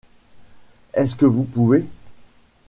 Est-ce que vous pouvez…